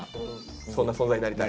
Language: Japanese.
そんな存在になりたい？